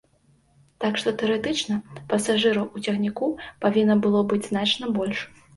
Так што, тэарэтычна, пасажыраў у цягніку павінна было быць значна больш.